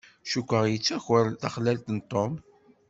Cukkeɣ yettaker taxlalt Tom.